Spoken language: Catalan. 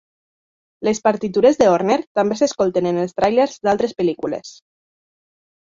Les partitures de Horner també s'escolten en els tràilers d'altres pel·lícules.